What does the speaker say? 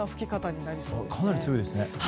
かなり強いですね。